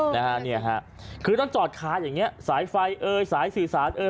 นะฮะคือต้องจอดค้าอย่างเงี้ยสายไฟเอ้ยสายสี่สวานเอ้ย